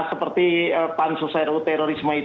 seperti pansus ruu terorisme